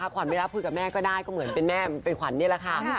ขวัญไม่รับคุยกับแม่ก็ได้ก็เหมือนเป็นแม่เป็นขวัญนี่แหละค่ะ